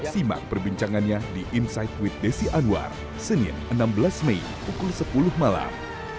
simak perbincangannya di insight with desi anwar senin enam belas mei pukul sepuluh malam